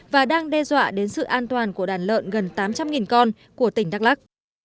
và đang đe dọa đến sự an toàn của đàn lợn gần tám trăm linh con của tỉnh đắk lắc